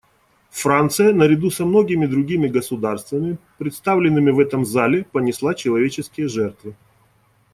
Франция, наряду со многими другими государствами, представленными в этом зале, понесла человеческие жертвы.